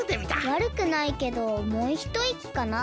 わるくないけどもうひといきかな。